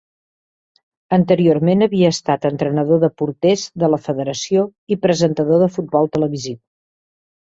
Anteriorment havia estat entrenador de porters de la federació i presentador de futbol televisiu.